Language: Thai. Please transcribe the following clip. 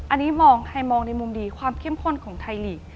อันนี้มองไฮมองในมุมดีความเข้มข้นของไทยลีก